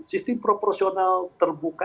sistem proporsional terbuka